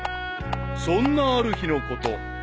［そんなある日のこと］